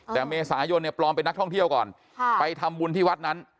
แต่เมษายนเนี่ยปลอมเป็นนักท่องเที่ยวก่อนไปทำบุญที่วัดนั้น